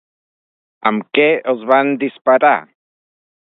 Amb què els van disparar?